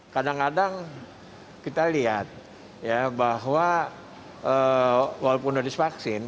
kadang kadang kita lihat ya bahwa walaupun sudah divaksin